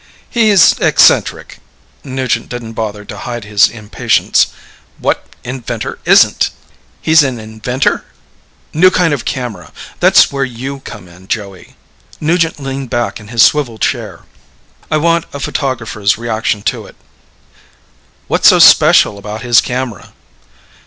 "He's eccentric." Nugent didn't bother to hide his impatience. "What inventor isn't?" "He's an inventor?" "New kind of camera. That's where you come in, Joey." Nugent leaned back in his swivel chair. "I want a photographer's reactions to it." "What's so special about his camera?"